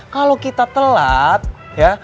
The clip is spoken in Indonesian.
kalau kita telat ya